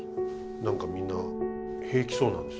何かみんな平気そうなんです。